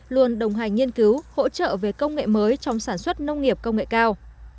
luôn đồng hành nghiên cứu hỗ trợ về công nghệ mới trong sản xuất nông nghiệp công nghệ cao